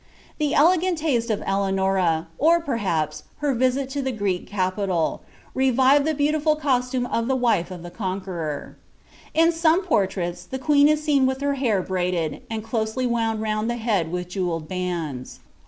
The elegant Hat of Eleanora, or, perhaps, her visit to tlie Greek capiiaJ, revived ibe h(n> tiful costume of the wife of the Conqueror. In some portfuiSi th* queen is seen with her hair braided, and cloeely wound round the bid with jewelled bands.